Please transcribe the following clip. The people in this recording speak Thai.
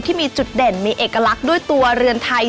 ที่มีจุดเด่นมีเอกลักษณ์ด้วยตัวเรือนไทย